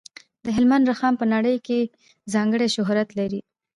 د هلمند رخام په نړۍ کې ځانګړی شهرت لري.